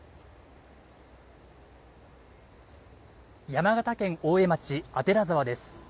山形県大江町左沢です